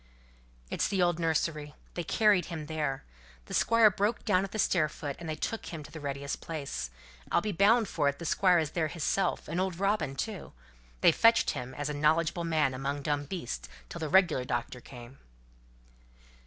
"It's the old nursery. They carried him there. The Squire broke down at the stair foot, and they took him to the readiest place. I'll be bound for it the Squire is there hisself, and old Robin too. They fetched him, as a knowledgable man among dumb beasts, till th' regular doctor came."